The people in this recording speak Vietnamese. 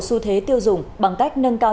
xu thế tiêu dùng bằng cách nâng cao